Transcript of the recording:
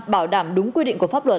bảo đảm đúng quy định của pháp luật